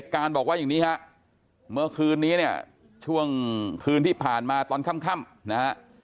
คืนที่ผ่านมาตอนค่ำ